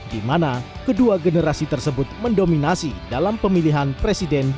di mana kedua generasi tersebut mendominasi dalam pemilihan presiden dua ribu dua puluh empat